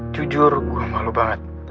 jujur gue malu banget